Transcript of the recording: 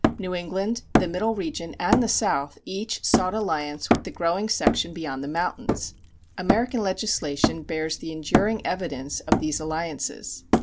New England, the Middle Region, and the South each sought alliance with the growing section beyond the mountains. American legislation bears the enduring evidence of these alliances.